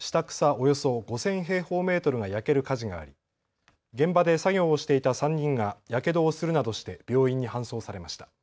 およそ５０００平方メートルが焼ける火事があり現場で作業をしていた３人がやけどをするなどして病院に搬送されました。